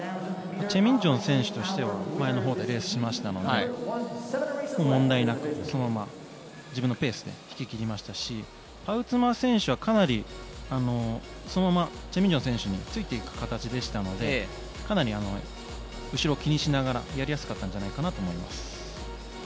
チェ・ミンジョン選手としては前の方でレースをしましたので問題なくそのまま自分のペースで行き切りましたしパウツマ選手はかなりチェ・ミンジョン選手について行く形でしたのでかなり後ろを気にしながらやりやすかったんじゃないかなと思います。